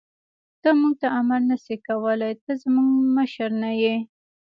ته موږ ته امر نه شې کولای، ته زموږ مشر نه یې.